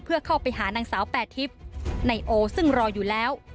เพื่อเข้าไปหานางสาวแปรทิพย์ในโอซึ่งรออยู่แล้ว